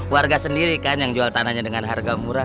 warga sendiri kan yang jual tanahnya dengan harga murah